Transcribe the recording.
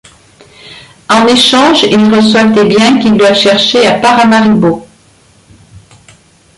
En échange, ils reçoivent des biens qu'ils doivent chercher à Paramaribo.